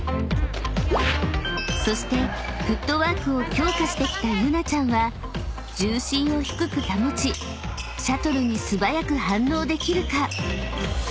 ［そしてフットワークを強化してきたユナちゃんは重心を低く保ちシャトルに素早く反応できるか？］